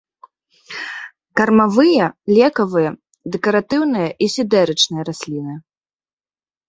Кармавыя, лекавыя, дэкаратыўныя і сідэрычныя расліны.